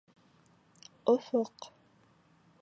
Офоҡ